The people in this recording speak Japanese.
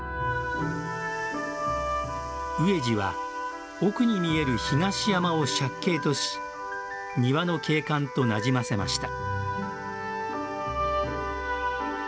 植治は、奥に見える東山を借景とし、庭の景観となじませました。